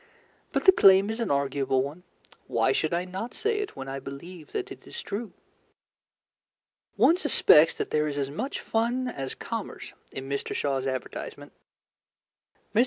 But the claim is an arguable one. Why should I not say it when I believe that it is true? One suspects that there is as much fun as commerce in Mr. Shaw's advertisement. Mr.